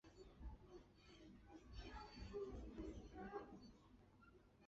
长睾似泡双吸虫为囊双科似泡双吸虫属的动物。